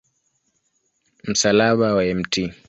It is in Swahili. Msalaba wa Mt.